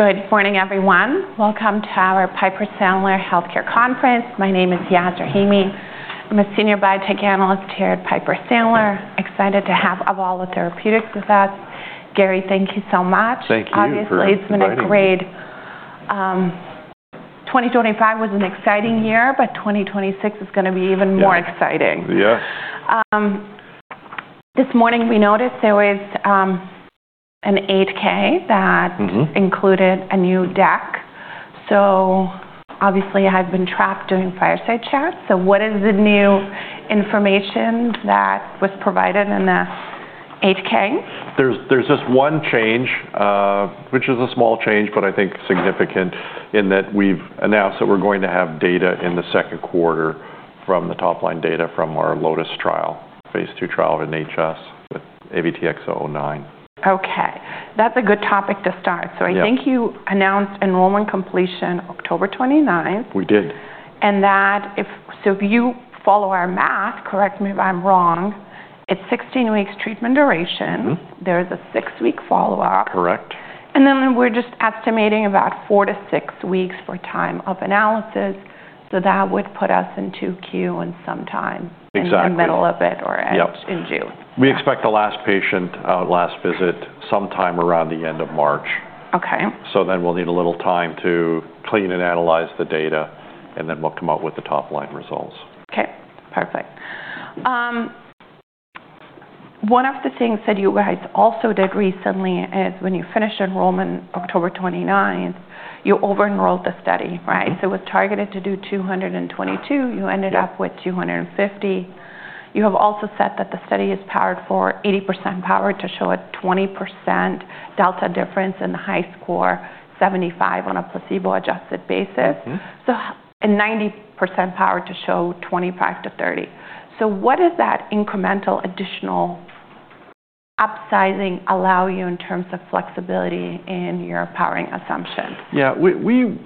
Good morning, everyone. Welcome to our Piper Sandler Healthcare Conference. My name is Yasmeen Rahimi. I'm a Senior Biotech Analyst here at Piper Sandler. Excited to have Avalo Therapeutics with us. Garry, thank you so much. Thank you. Obviously, it's been a great—2025 was an exciting year, but 2026 is going to be even more exciting. Yes. This morning, we noticed there was an Form 8-K that included a new deck. Obviously, I've been trapped doing fireside chats. What is the new information that was provided in the Form 8-K? There's just one change, which is a small change, but I think significant in that we've announced that we're going to have data in the second quarter from the top-line data from our LOTUS trial, phase II trial of HS with AVTX-009. Okay. That's a good topic to start. I think you announced enrollment completion October 29th. We did. If you follow our math, correct me if I'm wrong, it's 16 weeks treatment duration. There's a six-week follow-up. Correct. We're just estimating about four weeks-six weeks for time of analysis. That would put us into 2Q, sometime in the middle of it or in June. We expect the last patient at last visit sometime around the end of March. Okay. Then we'll need a little time to clean and analyze the data, and then we'll come up with the top-line results. Okay. Perfect. One of the things that you guys also did recently is, when you finished enrollment October 29, you over-enrolled the study, right? It was targeted to do 222. You ended up with 250. You have also said that the study is powered for 80% power to show a 20% delta difference in the HiSCR75 on a placebo-adjusted basis, and 90% power to show 25-30. What does that incremental additional upsizing allow you in terms of flexibility in your powering assumption? Yeah. We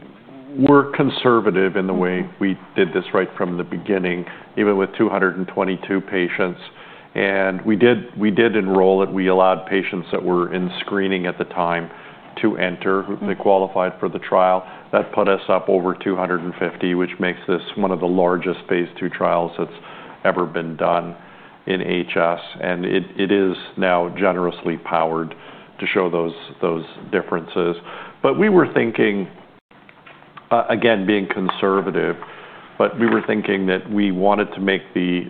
were conservative in the way we did this, right from the beginning, even with 222 patients. We did enroll it. We allowed patients that were in screening at the time to enter. They qualified for the trial. That put us up over 250, which makes this one of the largest phase II trials that's ever been done in HS. It is now generously powered to show those differences. We were thinking, again, being conservative, we were thinking that we wanted to make the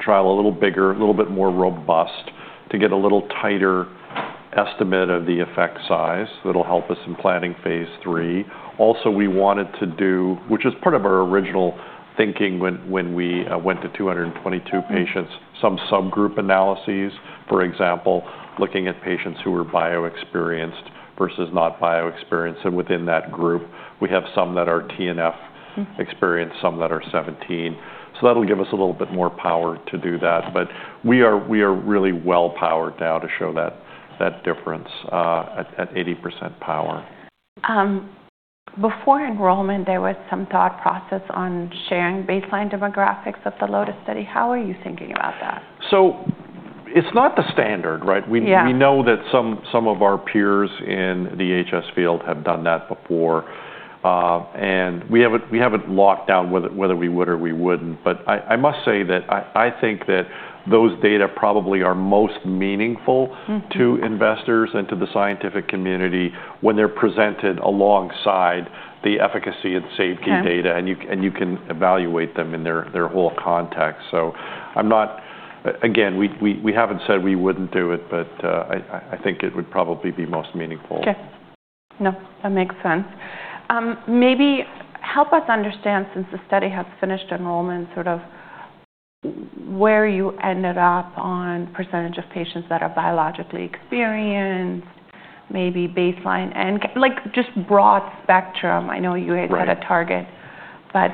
trial a little bigger, a little bit more robust, to get a little tighter estimate of the effect size that'll help us in planning phase III. Also, we wanted to do, which was part of our original thinking when we went to 222 patients, some subgroup analyses, for example, looking at patients who were bio-experienced versus not bio-experienced. Within that group, we have some that are TNF experienced, some that are 17. That will give us a little bit more power to do that. We are really well powered now to show that difference at 80% power. Before enrollment, there was some thought process on sharing baseline demographics of the LOTUS study. How are you thinking about that? It is not the standard, right? We know that some of our peers in the HS field have done that before. We have not locked down whether we would or we would not. I must say that I think that those data probably are most meaningful to investors and to the scientific community when they are presented alongside the efficacy and safety data. You can evaluate them in their whole context. Again, we have not said we would not do it, but I think it would probably be most meaningful. Okay. No, that makes sense. Maybe help us understand, since the study has finished enrollment, sort of where you ended up on percentage of patients that are biologically experienced, maybe baseline, and just broad spectrum. I know you had a target, but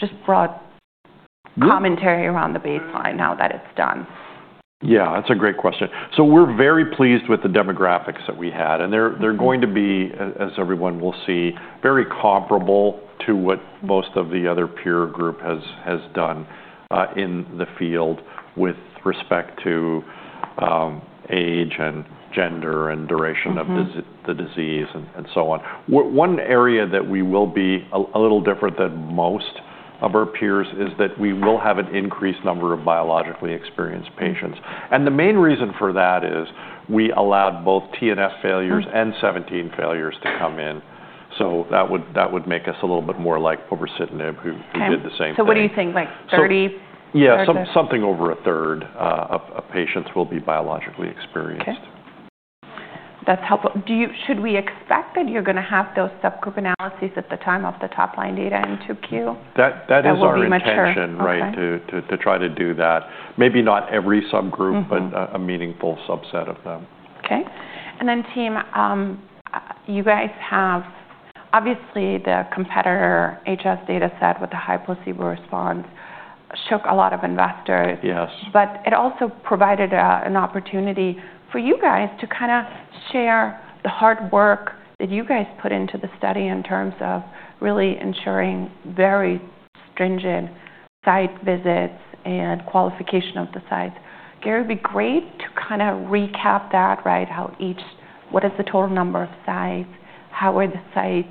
just broad commentary around the baseline now that it's done. Yeah. That's a great question. We're very pleased with the demographics that we had. They're going to be, as everyone will see, very comparable to what most of the other peer group has done in the field with respect to age and gender and duration of the disease and so on. One area that we will be a little different than most of our peers is that we will have an increased number of biologically experienced patients. The main reason for that is we allowed both TNF failures and 17 failures to come in. That would make us a little bit more like brepocitinib, who did the same thing. Okay. What do you think? Like 30? Yeah. Something over 1/3 of patients will be biologically experienced. Okay. That's helpful. Should we expect that you're going to have those subgroup analyses at the time of the top-line data in 2Q? That is our intention, right, to try to do that. Maybe not every subgroup, but a meaningful subset of them. Okay. You guys have obviously the competitor HS data set with the high placebo response shook a lot of investors. Yes. It also provided an opportunity for you guys to kind of share the hard work that you guys put into the study in terms of really ensuring very stringent site visits and qualification of the sites. Garry, it'd be great to kind of recap that, right? What is the total number of sites? How are the sites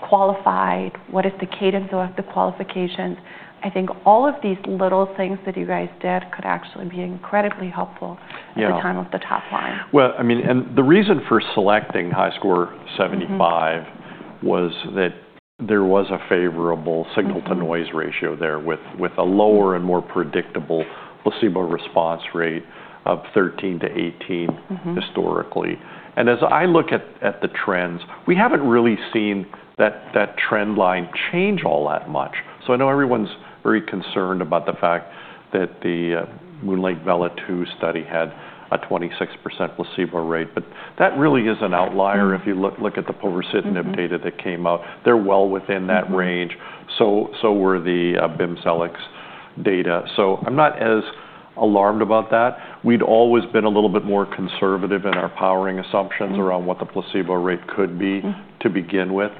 qualified? What is the cadence of the qualifications? I think all of these little things that you guys did could actually be incredibly helpful at the time of the top-line. I mean, the reason for selecting HiSCR75 was that there was a favorable signal-to-noise ratio there with a lower and more predictable placebo response rate of 13%-18% historically. As I look at the trends, we haven't really seen that trend line change all that much. I know everyone's very concerned about the fact that the MoonLake VELA-2 study had a 26% placebo rate. That really is an outlier. If you look at the brepocitinib data that came out, they're well within that range. So were the BIMZELX data. I'm not as alarmed about that. We'd always been a little bit more conservative in our powering assumptions around what the placebo rate could be to begin with.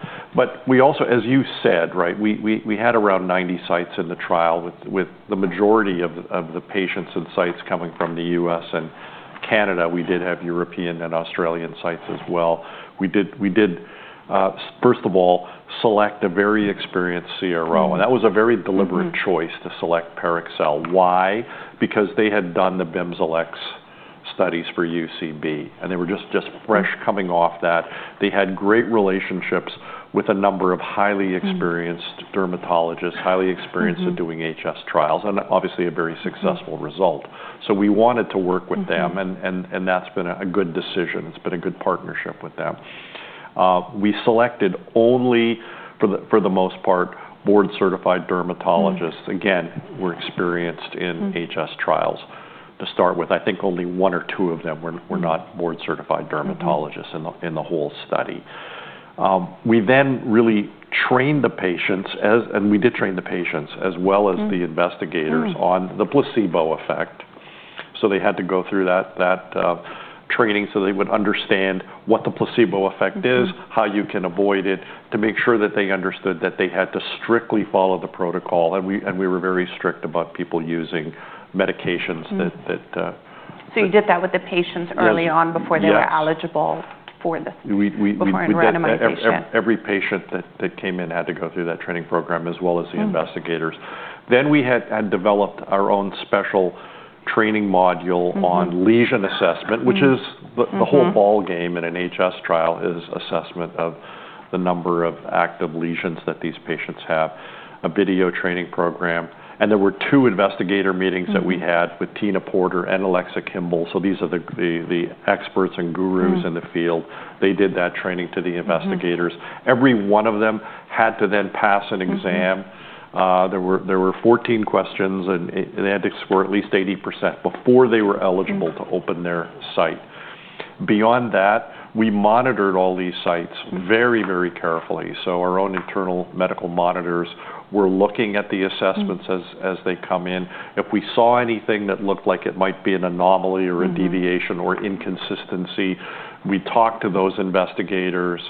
We also, as you said, right, we had around 90 sites in the trial with the majority of the patients and sites coming from the U.S. and Canada. We did have European and Australian sites as well. We did, first of all, select a very experienced CRO. That was a very deliberate choice to select Parexel. Why? Because they had done the BIMZELX studies for UCB. They were just fresh coming off that. They had great relationships with a number of highly experienced dermatologists, highly experienced at doing HS trials, and obviously a very successful result. We wanted to work with them. That has been a good decision. It has been a good partnership with them. We selected only, for the most part, board-certified dermatologists. Again, who were experienced in HS trials to start with. I think only one or two of them were not board-certified dermatologists in the whole study. We then really trained the patients, and we did train the patients as well as the investigators on the placebo effect. They had to go through that training so they would understand what the placebo effect is, how you can avoid it, to make sure that they understood that they had to strictly follow the protocol. We were very strict about people using medications that. You did that with the patients early on before they were eligible for this? Before we randomized patients. Every patient that came in had to go through that training program as well as the investigators. We had developed our own special training module on lesion assessment, which is the whole ballgame in an HS trial, is assessment of the number of active lesions that these patients have, a video training program. There were two investigator meetings that we had with Tina Porter and Alexa Kimball. These are the experts and gurus in the field. They did that training to the investigators. Every one of them had to then pass an exam. There were 14 questions, and they had to score at least 80% before they were eligible to open their site. Beyond that, we monitored all these sites very, very carefully. Our own internal medical monitors were looking at the assessments as they come in. If we saw anything that looked like it might be an anomaly or a deviation or inconsistency, we talked to those investigators.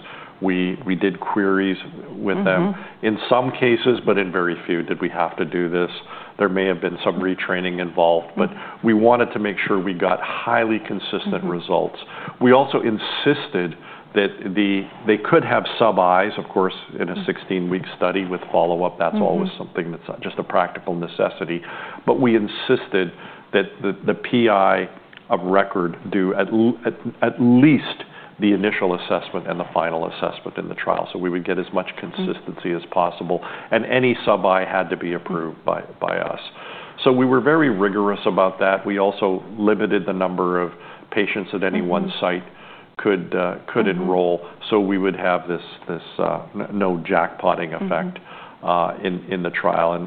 We did queries with them. In some cases, but in very few, did we have to do this. There may have been some retraining involved, but we wanted to make sure we got highly consistent results. We also insisted that they could have sub-I's, of course, in a 16-week study with follow-up. That's always something that's just a practical necessity. We insisted that the PI of record do at least the initial assessment and the final assessment in the trial. We would get as much consistency as possible. Any sub-I had to be approved by us. We were very rigorous about that. We also limited the number of patients that any one site could enroll. We would have this no jackpotting effect in the trial.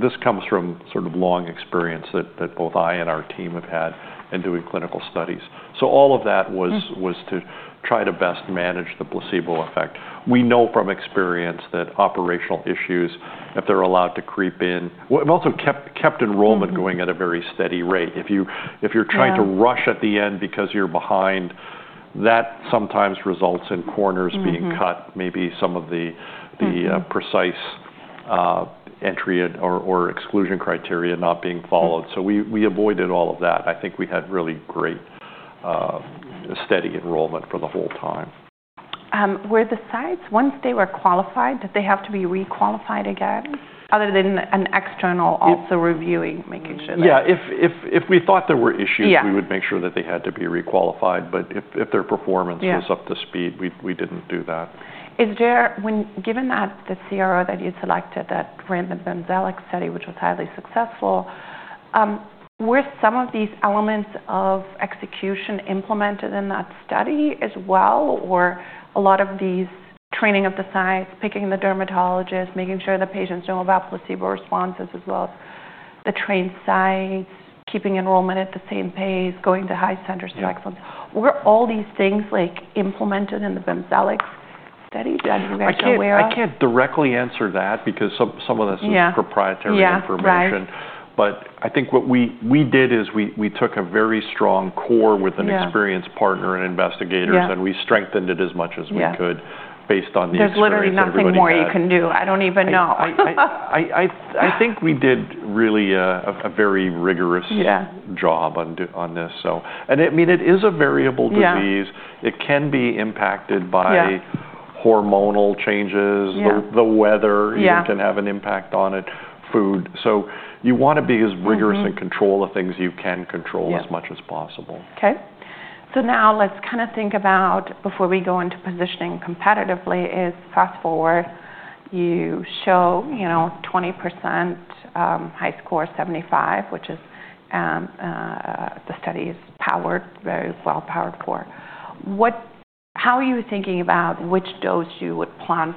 This comes from sort of long experience that both I and our team have had in doing clinical studies. All of that was to try to best manage the placebo effect. We know from experience that operational issues, if they're allowed to creep in, we've also kept enrollment going at a very steady rate. If you're trying to rush at the end because you're behind, that sometimes results in corners being cut, maybe some of the precise entry or exclusion criteria not being followed. We avoided all of that. I think we had really great, steady enrollment for the whole time. Were the sites, once they were qualified, did they have to be requalified again? Other than an external also reviewing, making sure that. Yeah. If we thought there were issues, we would make sure that they had to be requalified. If their performance was up to speed, we didn't do that. Is there, given that the CRO that you selected, that random BIMZELX study, which was highly successful, were some of these elements of execution implemented in that study as well? Or a lot of these training of the sites, picking the dermatologists, making sure the patients know about placebo responses as well as the trained sites, keeping enrollment at the same pace, going to high center selections, were all these things implemented in the BIMZELX study? Are you guys aware of? I can't directly answer that because some of this is proprietary information. I think what we did is we took a very strong core with an experienced partner and investigators, and we strengthened it as much as we could based on these things. There's literally nothing more you can do. I don't even know. I think we did really a very rigorous job on this. I mean, it is a variable disease. It can be impacted by hormonal changes. The weather can have an impact on it. Food. You want to be as rigorous in control of things you can control as much as possible. Okay. Now let's kind of think about, before we go into positioning competitively, fast forward, you show 20% HiSCR75, which is the study's power, very well powered for. How are you thinking about which dose you would plan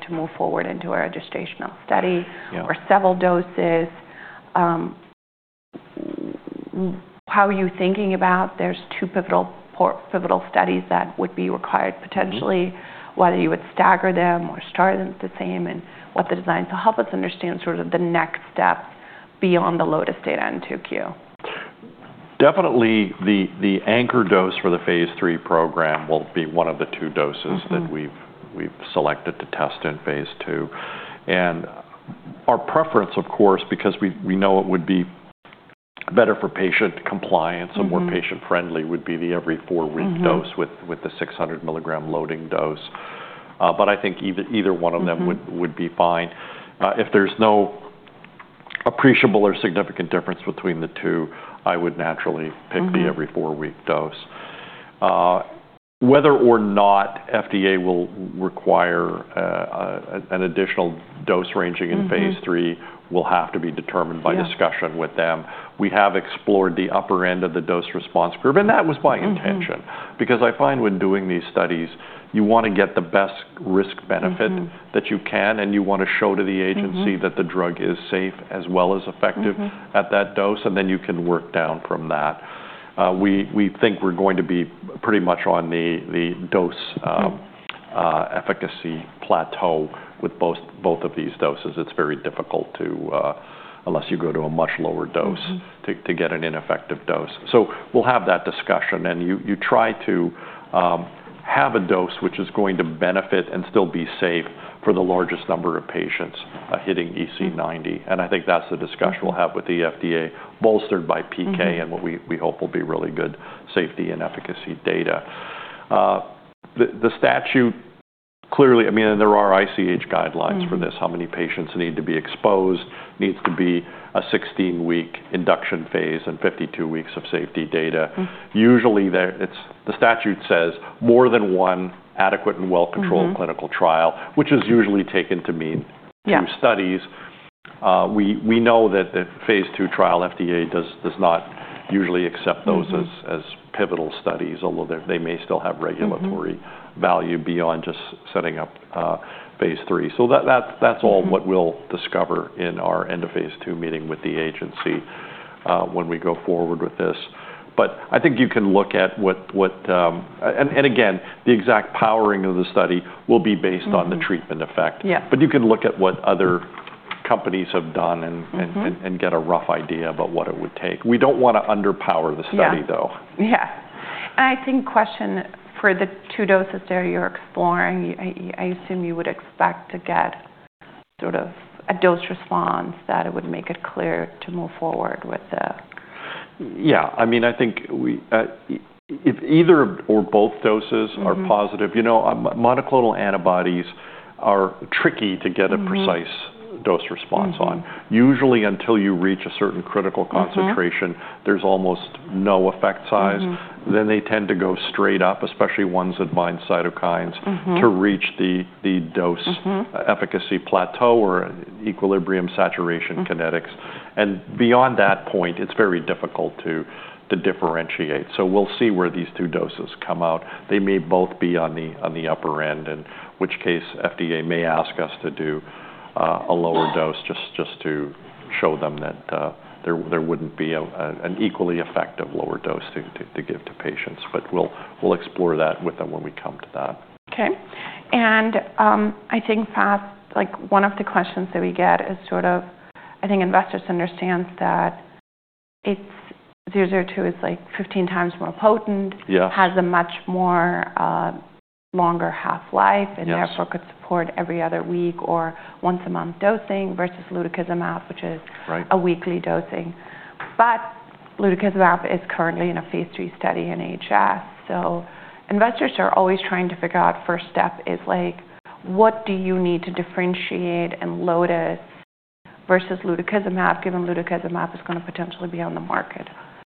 to move forward into a registrational study? Were several doses? How are you thinking about there's two pivotal studies that would be required potentially, whether you would stagger them or start them the same? What the design? Help us understand sort of the next step beyond the LOTUS data in 2Q. Definitely, the anchor dose for the phase three program will be one of the two doses that we've selected to test in phase II. Our preference, of course, because we know it would be better for patient compliance and more patient-friendly, would be the every four-week dose with the 600 mg loading dose. I think either one of them would be fine. If there's no appreciable or significant difference between the two, I would naturally pick the every four-week dose. Whether or not FDA will require an additional dose ranging in phase three will have to be determined by discussion with them. We have explored the upper end of the dose response curve. That was my intention. Because I find when doing these studies, you want to get the best risk-benefit that you can, and you want to show to the agency that the drug is safe as well as effective at that dose, and then you can work down from that. We think we're going to be pretty much on the dose efficacy plateau with both of these doses. It is very difficult to, unless you go to a much lower dose, to get an ineffective dose. We will have that discussion. You try to have a dose which is going to benefit and still be safe for the largest number of patients hitting EC90. I think that is the discussion we will have with the FDA, bolstered by PK and what we hope will be really good safety and efficacy data. The statute clearly, I mean, and there are ICH guidelines for this, how many patients need to be exposed, needs to be a 16-week induction phase and 52 weeks of safety data. Usually, the statute says more than one adequate and well-controlled clinical trial, which is usually taken to mean two studies. We know that the phase II trial, FDA does not usually accept those as pivotal studies, although they may still have regulatory value beyond just setting up phase III. That is all what we will discover in our end of phase II meeting with the agency when we go forward with this. I think you can look at what, and again, the exact powering of the study will be based on the treatment effect. You can look at what other companies have done and get a rough idea about what it would take. We don't want to underpower the study, though. Yeah. I think question for the two doses there you're exploring, I assume you would expect to get sort of a dose response that it would make it clear to move forward with the. Yeah. I mean, I think if either or both doses are positive, you know, monoclonal antibodies are tricky to get a precise dose response on. Usually, until you reach a certain critical concentration, there is almost no effect size. Then they tend to go straight up, especially ones that bind cytokines, to reach the dose efficacy plateau or equilibrium saturation kinetics. Beyond that point, it is very difficult to differentiate. We will see where these two doses come out. They may both be on the upper end, in which case FDA may ask us to do a lower dose just to show them that there would not be an equally effective lower dose to give to patients. We will explore that with them when we come to that. Okay. I think fast, like one of the questions that we get is sort of, I think investors understand that 002 is like 15x more potent, has a much more longer half-life, and therefore could support every other week or once-a-month dosing versus lutikizumab, which is a weekly dosing. lutikizumab is currently in a phase three study in HS. Investors are always trying to figure out first step is like, what do you need to differentiate in LOTUS versus lutikizumab, given lutikizumab is going to potentially be on the market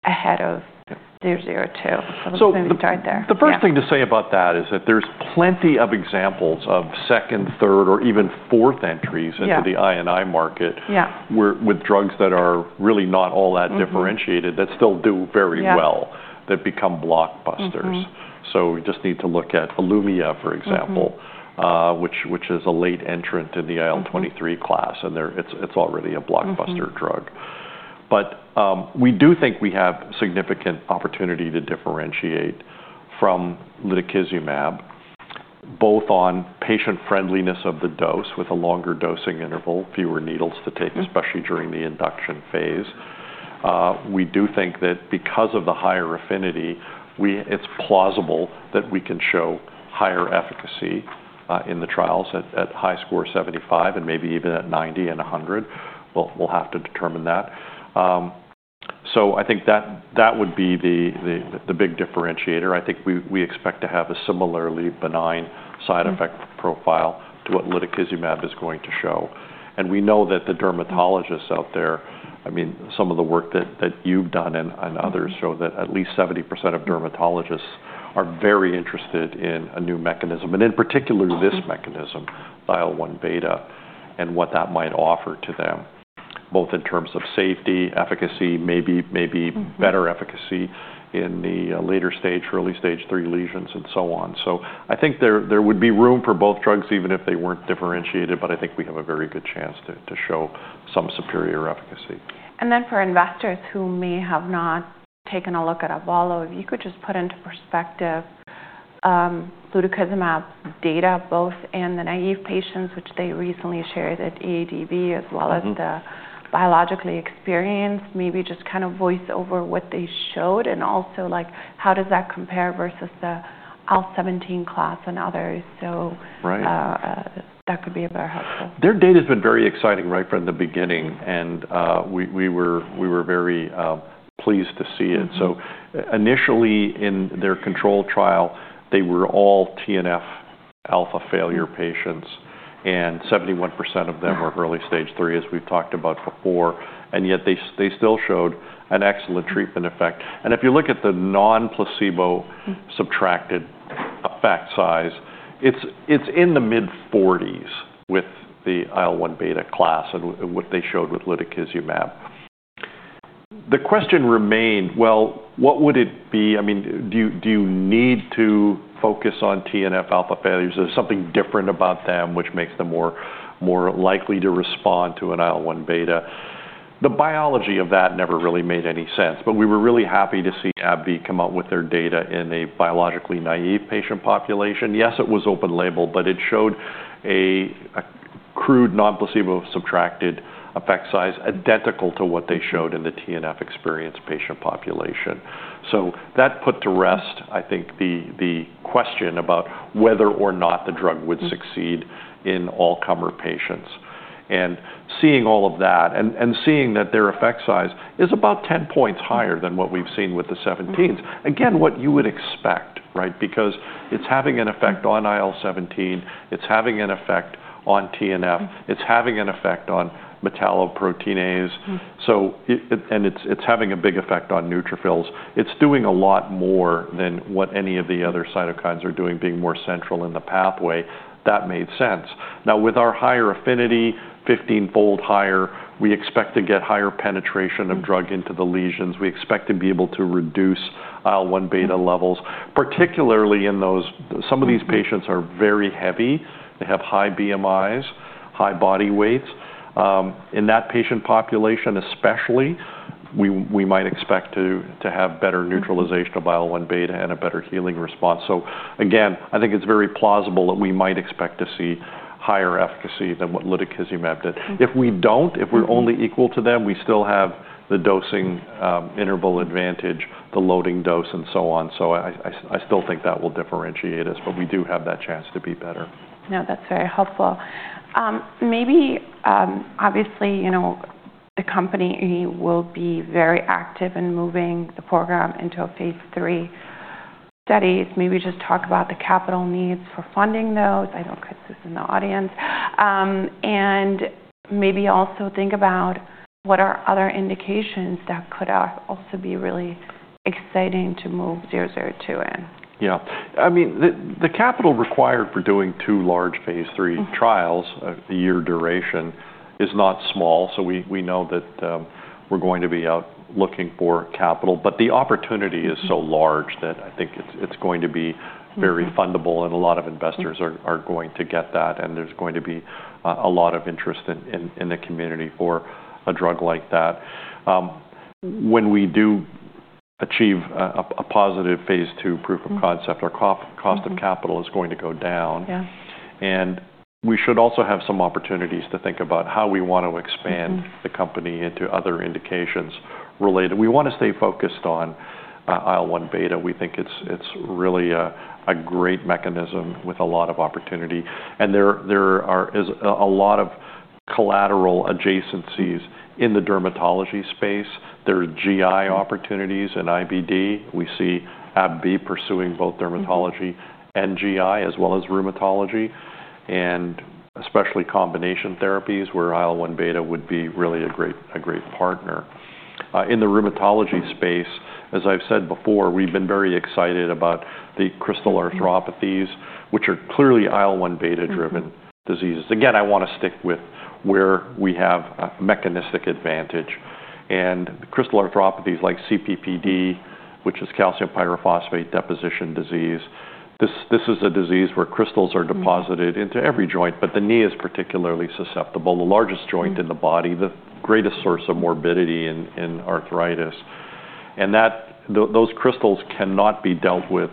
ahead of 002? We can start there. The first thing to say about that is that there's plenty of examples of second, third, or even fourth entries into the INI market with drugs that are really not all that differentiated that still do very well, that become blockbusters. We just need to look at ILUMYA, for example, which is a late entrant in the IL-23 class, and it's already a blockbuster drug. We do think we have significant opportunity to differentiate from lutikizumab, both on patient-friendliness of the dose with a longer dosing interval, fewer needles to take, especially during the induction phase. We do think that because of the higher affinity, it's plausible that we can show higher efficacy in the trials at HiSCR75 and maybe even at 90 and 100. We'll have to determine that. I think that would be the big differentiator. I think we expect to have a similarly benign side effect profile to what lutikizumab is going to show. I mean, some of the work that you've done and others show that at least 70% of dermatologists are very interested in a new mechanism, and in particular this mechanism, IL-1 beta, and what that might offer to them, both in terms of safety, efficacy, maybe better efficacy in the later stage, early stage three lesions, and so on. I think there would be room for both drugs even if they were not differentiated, but I think we have a very good chance to show some superior efficacy. For investors who may have not taken a look at Avalo, if you could just put into perspective lutikizumab data both in the naive patients, which they recently shared at AADB, as well as the biologically experienced, maybe just kind of voice over what they showed, and also like how does that compare versus the IL-17 class and others. That could be very helpful. Their data has been very exciting right from the beginning, and we were very pleased to see it. Initially in their control trial, they were all TNF alpha failure patients, and 71% of them were early stage three, as we've talked about before. Yet, they still showed an excellent treatment effect. If you look at the non-placebo subtracted effect size, it's in the mid-40% with the IL-1 beta class and what they showed with lutikizumab. The question remained, what would it be? I mean, do you need to focus on TNF alpha failures? Is there something different about them which makes them more likely to respond to an IL-1 beta? The biology of that never really made any sense. We were really happy to see AbbVie come out with their data in a biologically naive patient population. Yes, it was open label, but it showed a crude non-placebo subtracted effect size identical to what they showed in the TNF experienced patient population. That put to rest, I think, the question about whether or not the drug would succeed in all-comer patients. Seeing all of that and seeing that their effect size is about 10 points higher than what we've seen with the 17s. Again, what you would expect, right? Because it's having an effect on IL-17, it's having an effect on TNF, it's having an effect on metalloproteinase, and it's having a big effect on neutrophils. It's doing a lot more than what any of the other cytokines are doing, being more central in the pathway. That made sense. Now, with our higher affinity, 15-fold higher, we expect to get higher penetration of drug into the lesions. We expect to be able to reduce IL-1 beta levels, particularly in those, some of these patients are very heavy. They have high BMIs, high body weights. In that patient population especially, we might expect to have better neutralization of IL-1 beta and a better healing response. Again, I think it's very plausible that we might expect to see higher efficacy than what lutikizumab did. If we don't, if we're only equal to them, we still have the dosing interval advantage, the loading dose, and so on. I still think that will differentiate us, but we do have that chance to be better. No, that's very helpful. Maybe, obviously, the company will be very active in moving the program into a phase three study. Maybe just talk about the capital needs for funding those. I know because this is in the audience. Maybe also think about what are other indications that could also be really exciting to move 002 in. Yeah. I mean, the capital required for doing two large phase III trials, a year duration, is not small. We know that we're going to be out looking for capital. The opportunity is so large that I think it's going to be very fundable, and a lot of investors are going to get that, and there's going to be a lot of interest in the community for a drug like that. When we do achieve a positive phase II proof of concept, our cost of capital is going to go down. We should also have some opportunities to think about how we want to expand the company into other indications related. We want to stay focused on IL-1 beta. We think it's really a great mechanism with a lot of opportunity. There are a lot of collateral adjacencies in the dermatology space. There are GI opportunities in IBD. We see AbbVie pursuing both dermatology and GI, as well as rheumatology, and especially combination therapies where IL-1 beta would be really a great partner. In the rheumatology space, as I've said before, we've been very excited about the crystal arthropathies, which are clearly IL-1 beta-driven diseases. Again, I want to stick with where we have a mechanistic advantage. And crystal arthropathies like CPPD, which is calcium pyrophosphate deposition disease, this is a disease where crystals are deposited into every joint, but the knee is particularly susceptible, the largest joint in the body, the greatest source of morbidity in arthritis. Those crystals cannot be dealt with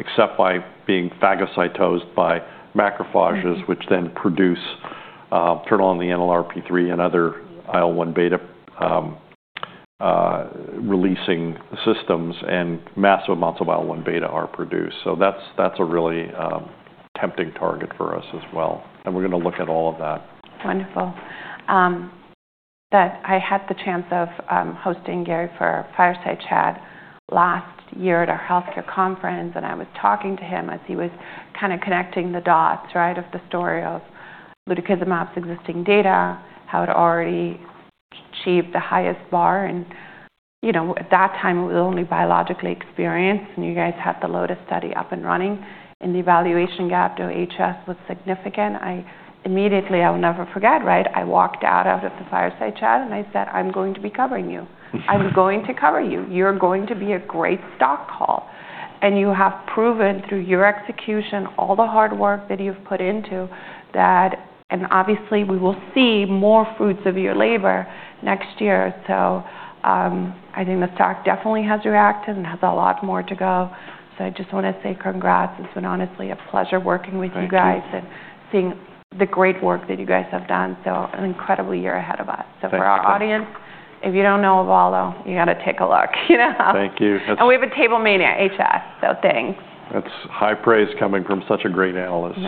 except by being phagocytosed by macrophages, which then turn on the NLRP3 and other IL-1 beta releasing systems, and massive amounts of IL-1 beta are produced. That is a really tempting target for us as well. We're going to look at all of that. Wonderful. I had the chance of hosting Garry for Fireside Chat last year at our healthcare conference, and I was talking to him as he was kind of connecting the dots, right, of the story of lutikizumab's existing data, how it already achieved the highest bar. At that time, it was only biologic experienced, and you guys had the LOTUS study up and running, and the evaluation gap to HS was significant. Immediately, I will never forget, right? I walked out of the Fireside Chat, and I said, "I'm going to be covering you. I'm going to cover you. You're going to be a great stock call. And you have proven through your execution all the hard work that you've put into that. Obviously, we will see more fruits of your labor next year. I think the stock definitely has reacted and has a lot more to go. I just want to say congrats. It's been honestly a pleasure working with you guys and seeing the great work that you guys have done. An incredible year ahead of us. For our audience, if you don't know Avalo, you got to take a look. Thank you. We have a table meeting at HS. Thanks. That's high praise coming from such a great analyst.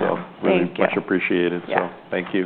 Very much appreciated. Thank you.